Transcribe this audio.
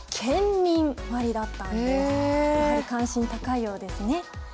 やはり関心が高いようですね。